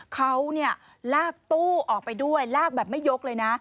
เขาลากตู้ออกไปด้วยลากแบบไม่ยกเลยนะ